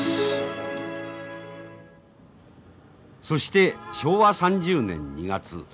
そして昭和３０年２月。